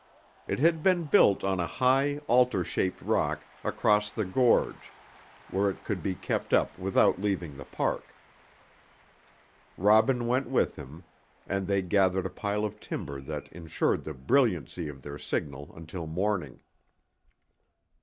It had been built on a high, altar shaped rock, across the gorge, where it could be kept up without leaving the park. Robin went with him, and they gathered a pile of timber that insured the brilliancy of their signal until morning.